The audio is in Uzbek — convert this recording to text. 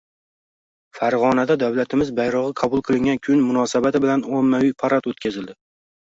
Farg‘onada davlatimiz bayrog‘i qabul qilingan kun munosabati bilan ommaviy parad o‘tkazildi